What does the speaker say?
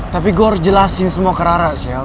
tapi gue harus jelasin semua ke rara chell